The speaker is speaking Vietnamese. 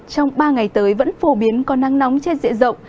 trong ba ngày tới vẫn phổ biến có nắng nóng trên diện rộng